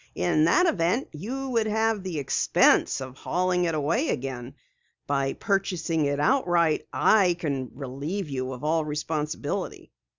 In that event you would have the expense of hauling it away again. By purchasing it outright, I can relieve you of all responsibility."